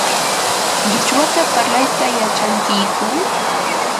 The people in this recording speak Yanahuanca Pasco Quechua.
¿qichwata parlayta yachankiyku?